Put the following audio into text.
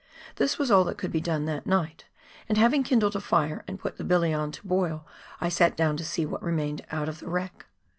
This was all that could be done that night, and having kindled a fire and put the billy on to boil, I sat down to see what remained out of the wreck.